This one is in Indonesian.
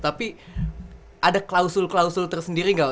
tapi ada klausul klausul tersendiri nggak